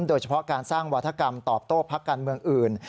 โดยเฉพาะการสร้างวาธกรรมตอบโต้พักการเมืองอื่น